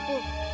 kamu gak bisa